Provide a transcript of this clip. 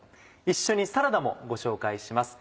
一緒にサラダもご紹介します。